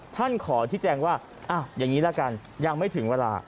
ท่านขอที่แจ้งว่าอ้าวอย่างนี้ละกันยังไม่ถึงเวลา